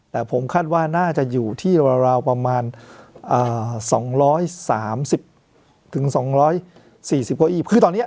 แต่ผมคาดว่าน่าจะอยู่ที่ราวประมาณ๒๓๐๒๔๐กว่าอีก